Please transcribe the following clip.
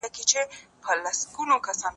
لرغونو خلګو هم ټولنیزو چارو ته پام کاوه.